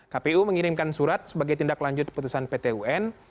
kpu mengirimkan surat sebagai tindaklanjut putusan pt un